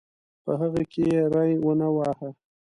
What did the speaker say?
په هغه کې یې ری ونه واهه.